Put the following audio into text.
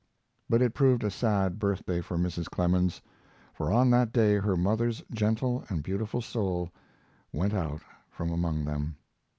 But it proved a sad birthday for Mrs. Clemens, for on that day her mother's gentle and beautiful soul went out from among them.